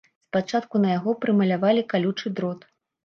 Спачатку на яго прымалявалі калючы дрот.